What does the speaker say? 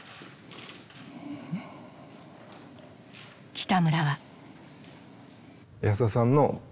北村は。